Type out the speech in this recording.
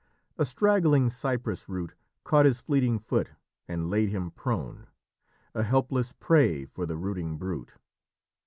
A straggling cypress root caught his fleeting foot and laid him prone, a helpless prey for the rooting brute.